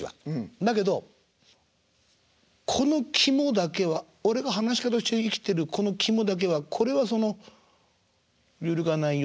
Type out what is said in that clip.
だけどこの肝だけは俺が噺家として生きてるこの肝だけはこれはその揺るがないよ